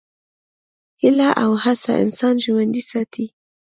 هیله او هڅه انسان ژوندی ساتي.